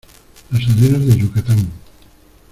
las arenas de Yucatán